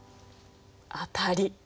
当たり！